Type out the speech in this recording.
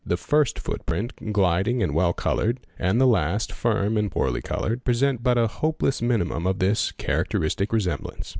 The first footprint, gliding and well coloured, ind the last, firm and poorly coloured, present but a hopeless minimum yf this " characteristic resemblance."